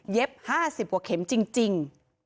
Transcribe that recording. เย็บ๕๐กว่าเข็มจริง